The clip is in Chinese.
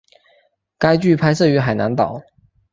该剧拍摄于海南岛。